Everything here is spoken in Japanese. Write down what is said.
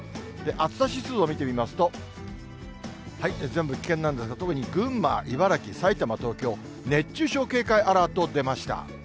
暑さ指数を見てみますと、全部危険なんですが、特に群馬、茨城、埼玉、東京、熱中症警戒アラート出ました。